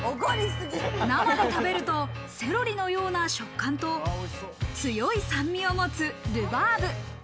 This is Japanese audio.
生で食べるとセロリのような食感と強い酸味を持つルバーブ。